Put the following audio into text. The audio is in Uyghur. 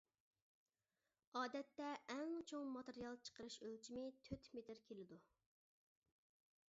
ئادەتتە ئەڭ چوڭ ماتېرىيال چىقىرىش ئۆلچىمى تۆت مېتىر كېلىدۇ.